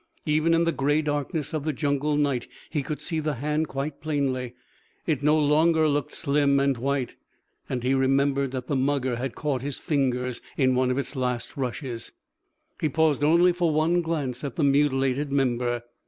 Even in the gray darkness of the jungle night he could see the hand quite plainly. It no longer looked slim and white. And he remembered that the mugger had caught his fingers in one of its last rushes. He paused only for one glance at the mutilated member.